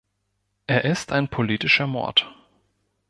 Er ist ein politischer Mord.